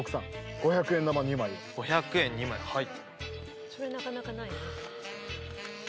５００円２枚はい。